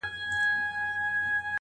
که پنځه کسه راښکيل وي پردي غم کي,